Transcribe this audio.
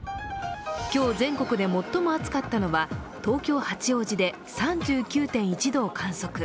今日、全国で最も暑かったのは東京・八王子で３９．１度を観測。